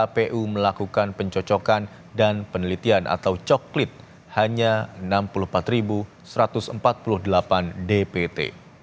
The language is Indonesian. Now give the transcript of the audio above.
kpu melakukan pencocokan dan penelitian atau coklit hanya enam puluh empat satu ratus empat puluh delapan dpt